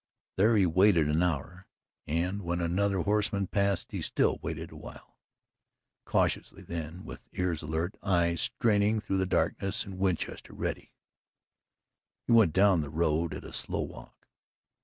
There he waited an hour, and when another horseman passed he still waited a while. Cautiously then, with ears alert, eyes straining through the darkness and Winchester ready, he went down the road at a slow walk.